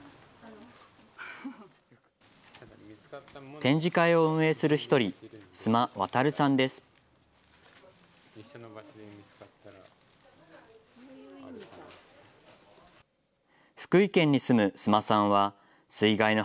展示会を運営する１人、須磨航さんです。